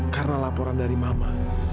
karena laporan dari mama